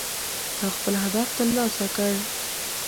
تا خپل هدف ترلاسه کړ